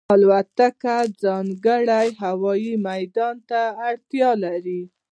الوتکه ځانګړی هوايي میدان ته اړتیا لري.